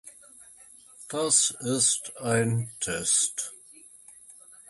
The entire highway is being improved.